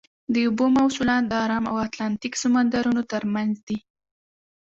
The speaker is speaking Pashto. د اوبو مواصلات د ارام او اتلانتیک سمندرونو ترمنځ دي.